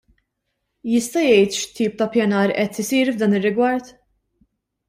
Jista' jgħid x'tip ta' ppjanar qed isir f'dan ir-rigward?